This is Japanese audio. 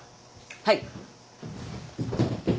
はい。